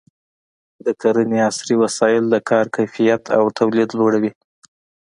د کرنې عصري وسایل د کار کیفیت او تولید لوړوي.